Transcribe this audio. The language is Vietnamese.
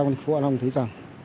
của thành phố hạ long thấy rằng